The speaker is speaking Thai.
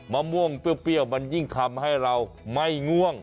มะม่วงเปรี้ยวมันยิ่งทำให้เราไม่ง่วง